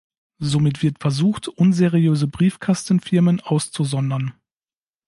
Somit wird versucht, unseriöse „Briefkasten-Firmen“ auszusondern.